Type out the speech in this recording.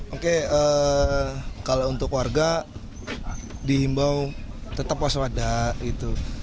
oke kalau untuk warga dihimbau tetap was was ada gitu